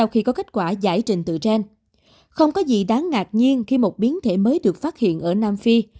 không có gì đáng ngạc nhiên khi một biến thể mới được phát hiện ở nam phi